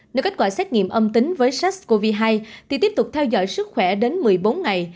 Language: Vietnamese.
nếu kết quả xét nghiệm âm tính với sars cov hai thì tiếp tục theo dõi sức khỏe đến một mươi bốn ngày